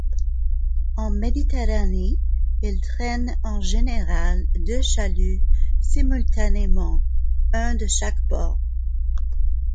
En Méditerranée, ils traînent en général deux chaluts simultanément, un de chaque bord.